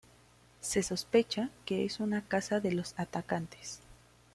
Se sospecha que es una casa de los atacantes.